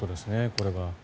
これは。